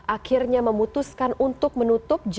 akhirnya memutuskan untuk menutup jalur pendakian